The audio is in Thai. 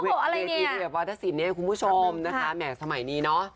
โอ้โฮโอ้โฮอะไรเนี่ยคุณผู้ชมนะคะแหมกสมัยนี้เนอะ